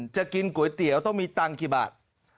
จะกินก๋วยเตี๋ยวต้องมีตังค์กี่บาท